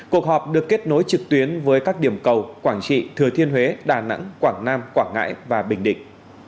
cuộc họp được kết nối trực tuyến với các điểm cầu quảng trị thừa thiên huế đà nẵng quảng nam quảng ngãi và bình định